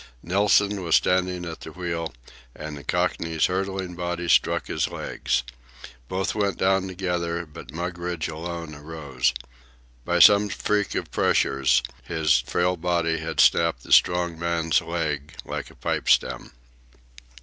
Nilson was standing at the wheel, and the Cockney's hurtling body struck his legs. Both went down together, but Mugridge alone arose. By some freak of pressures, his frail body had snapped the strong man's leg like a pipe stem.